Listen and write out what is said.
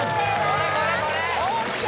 これこれこれＯＫ！